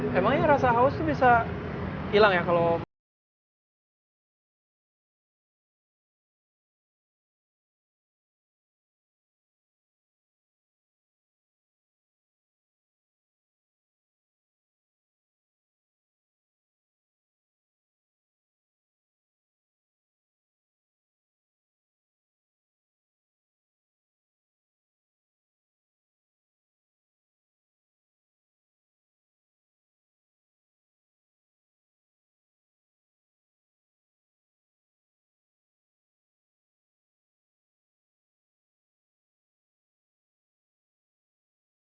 sir saya mau tingin lekuk juga aja